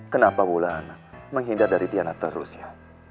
kenapa pula anak menghindar dari tiana terus ya